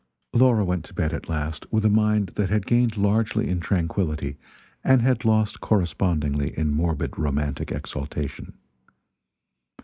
Laura went to bed at last with a mind that had gained largely in tranquility and had lost correspondingly in morbid romantic exaltation.